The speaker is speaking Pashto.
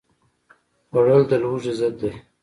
خوړل د لوږې ضد دی